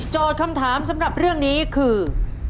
คำถามสำหรับเรื่องนี้คือ